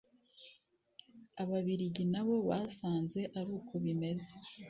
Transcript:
Ababiligi nabo basanze ari uko bimeze